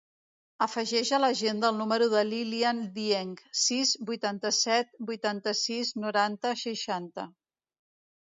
Afegeix a l'agenda el número de l'Ilyan Dieng: sis, vuitanta-set, vuitanta-sis, noranta, seixanta.